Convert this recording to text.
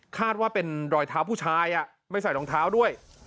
คาดว่าเป็นรอยเท้าผู้ชายไม่ใส่รองเท้าด้วย